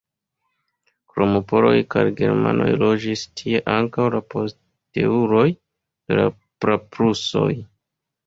Krom poloj kaj germanoj loĝis tie ankaŭ la posteuloj de la praprusoj.